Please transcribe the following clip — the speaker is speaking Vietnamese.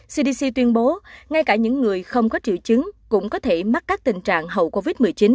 cdc tuyên bố ngay cả những người không có triệu chứng cũng có thể mắc các tình trạng hậu covid một mươi chín